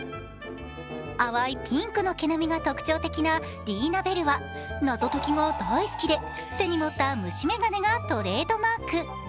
淡いピンクの毛並みが特徴的なリーナ・ベルは謎解きが大好きで、手に持った虫眼鏡がトレードマーク。